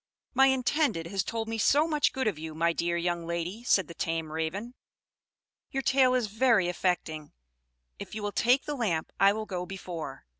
"My intended has told me so much good of you, my dear young lady," said the tame Raven. "Your tale is very affecting. If you will take the lamp, I will go before.